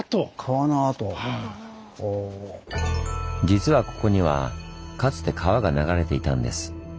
実はここにはかつて川が流れていたんです。